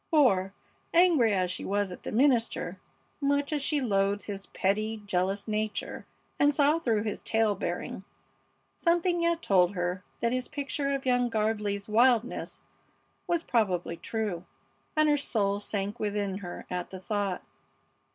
For, angry as she was at the minister, much as she loathed his petty, jealous nature and saw through his tale bearing, something yet told her that his picture of young Gardley's wildness was probably true, and her soul sank within her at the thought.